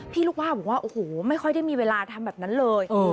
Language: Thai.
ลูกว่าบอกว่าโอ้โหไม่ค่อยได้มีเวลาทำแบบนั้นเลย